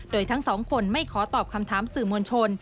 โดยทั้งสองคนไม่ขอตอบคำถามสื่อมวลชน